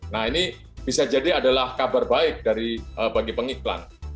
nah ini bisa jadi adalah kabar baik bagi pengiklan